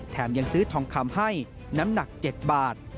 ยังซื้อทองคำให้น้ำหนัก๗บาท